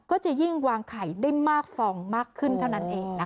ก็จะยิ่งวางไข่ได้มากฟองมากขึ้นเท่านั้นเองนะคะ